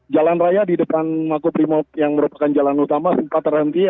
jalan raya di depan makobrimob yang merupakan jalan utama sempat terhenti